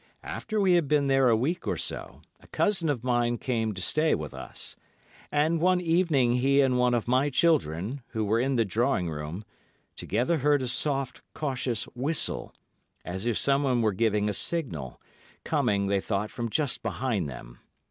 After we had been there a week or so, a cousin of mine came to stay with us; and one evening he and one of my children, who were in the drawing room, together heard a soft, cautious whistle—as if someone were giving a signal, coming, they thought, from just behind them.